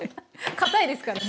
堅いですからね。